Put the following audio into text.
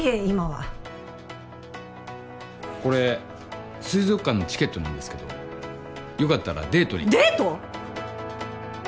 今はこれ水族館のチケットなんですけどよかったらデートにデート！？